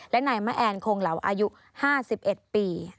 และนายมะแอนคงเหลาอายุ๕๑ปี